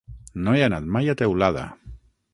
No he anat mai a Teulada.